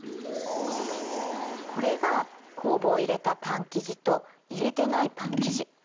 これが酵母を入れたパン生地と入れてないパン生地。